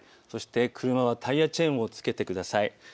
そして車はタイヤチェーンをつけてください。